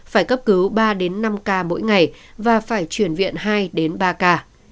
phải cấp cứu ba đến năm ca mỗi ngày và phải chuyển viện hai ba ca